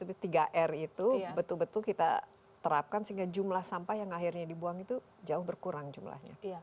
tapi tiga r itu betul betul kita terapkan sehingga jumlah sampah yang akhirnya dibuang itu jauh berkurang jumlahnya